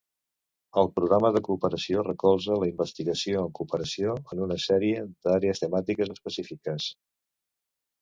El programa de Cooperació recolzarà la investigació en cooperació en una sèrie d'àrees temàtiques específiques.